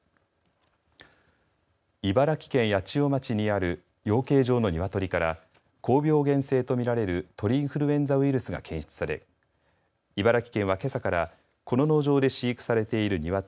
茨城県八千代町にある養鶏場の鶏から高病原性と見られる鳥インフルエンザウイルスが検出され茨城県は、けさからこの農場で飼育されている鶏